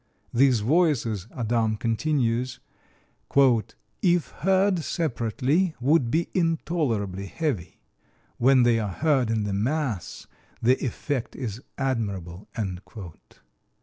These voices, Adam continues, "if heard separately, would be intolerably heavy; when they are heard in the mass the effect is admirable."